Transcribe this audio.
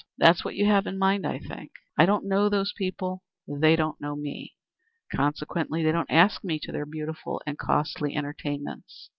That's what you have in mind, I think. I don't know those people; they don't know me. Consequently they do not ask me to their beautiful and costly entertainments.